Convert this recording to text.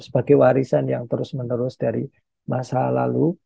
sebagai warisan yang terus menerus dari masalah